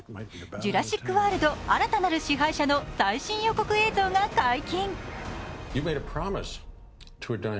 「ジュラシック・ワールド／新たなる支配者」の最新予告映像が解禁。